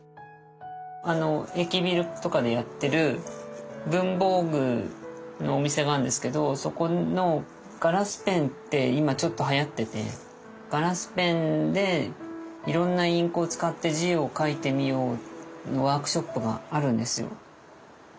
あの駅ビルとかでやってる文房具のお店があるんですけどそこのガラスペンって今ちょっとはやってて「ガラスペンでいろんなインクを使って字を書いてみよう」のワークショップがあるんですよ。